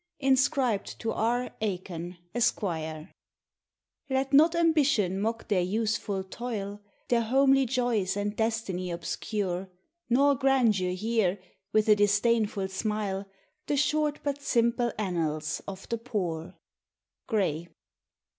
INSCRIBED TO It. AIKKN, ESQ. 44 Let not ambition mock their useful toil, Their homely joys and destiny obscure ; Nor grandeur hear, with a disdainful smile, The short but simple an rials of the poor." GRAY.